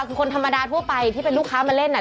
คือคนธรรมดาทั่วไปที่เป็นลูกค้ามาเล่นน่ะ